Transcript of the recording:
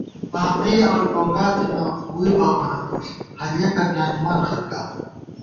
واقعی آؤوٹونگا تھنہ وُئی بابَنہ پُݪ ، ہریَک پیانِمان خلکا